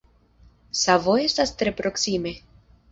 Savo estas tre proksime.